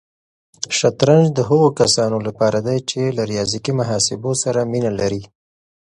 شطرنج د هغو کسانو لپاره دی چې له ریاضیکي محاسبو سره مینه لري.